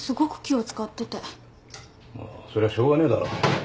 まあそりゃしょうがねえだろ。